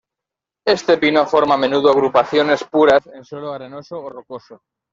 Este pino forma a menudo agrupaciones puras en suelo arenoso o rocoso.